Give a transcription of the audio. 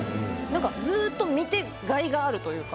ずっと見てがいがあるというか。